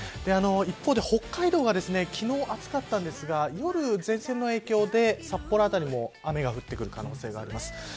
一方で、北海道は昨日暑かったんですが夜、前線の影響で札幌辺りも雨が降ってくる可能性があります。